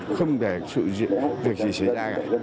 không để sự diễn việc gì xảy ra cả